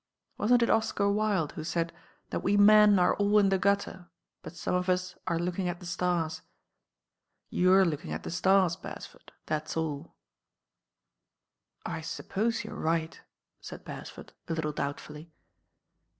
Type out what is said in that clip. Wasn't it Oscar Wilde who said that we men are all in the gutter; but some of us are looking at the stars. You're looking at the stars, Beresford, that's all." "I suppose you're right," said Beresford a little doubtfully.